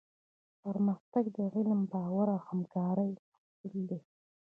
پرمختګ د علم، باور او همکارۍ محصول دی.